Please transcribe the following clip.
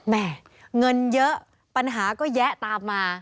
แม่เงินเยอะปัญหาก็แยะตามมา